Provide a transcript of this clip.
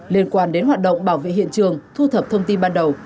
liên quan đến hoạt động bảo vệ hiện trường thu thập thông tin ban đầu